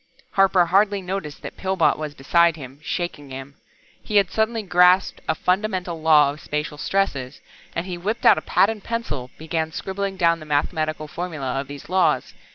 Harper hardly noticed that Pillbot was beside him, shaking him. He had suddenly grasped a fundamental law of spacial stresses, and he whipped out a pad and pencil, began scribbling down the mathematical formula of these laws.